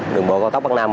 đường bộ cao tốc bắc nam